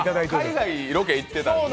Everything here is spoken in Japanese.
海外ロケ行ってたんですよね。